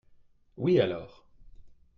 oui alors.